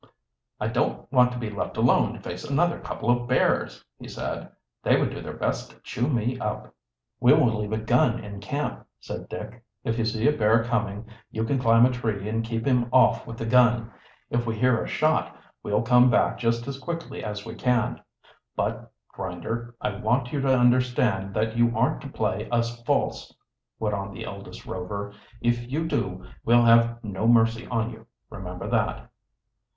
"I don't want to be left alone to face another couple of bears," he said. "They would do their best to chew me up!" "We will leave a gun in camp," said Dick. "If you see a bear coming, you can climb a tree and keep him off with the gun. If we hear a shot, we'll come back just as quickly as we can. But, Grinder, I want you to understand that you aren't to play us false," went on the eldest Rover. "If you do we'll have no mercy on you, remember that!"